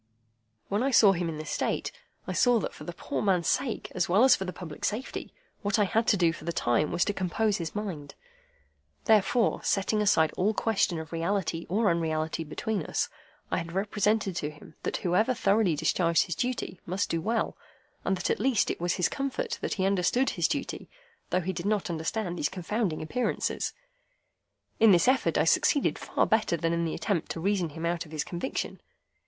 When I saw him in this state, I saw that for the poor man's sake, as well as for the public safety, what I had to do for the time was to compose his mind. Therefore, setting aside all question of reality or unreality between us, I represented to him that whoever thoroughly discharged his duty must do well, and that at least it was his comfort that he understood his duty, though he did not understand these confounding Appearances. In this effort I succeeded far better than in the attempt to reason him out of his conviction.